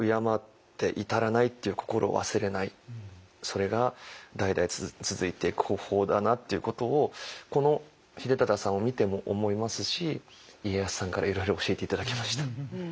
それが代々続いていく方法だなっていうことをこの秀忠さんを見ても思いますし家康さんからいろいろ教えて頂きました。